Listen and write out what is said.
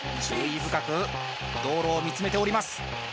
深く道路を見つめております